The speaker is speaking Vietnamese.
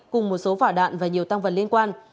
cùng một số vỏ đạn và nhiều tăng vật liên quan